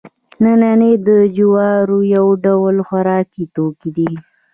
نینې د جوارو یو ډول خوراکي توکی دی